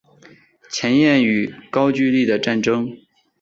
前燕与高句丽的战争